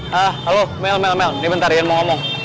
hah halo mel mel mel ini bentar iyan mau ngomong